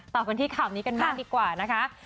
ต่อกันที่ข่าวนี้กันบ้างดีกว่านะคะ